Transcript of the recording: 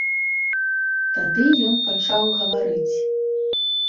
Тады ён пачаў гаварыць.